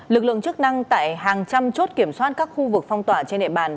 lực lượng chức năng tại hàng trăm chốt kiểm soát các khu vực phong tỏa trên địa bàn